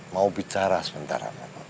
mau bicara sebentar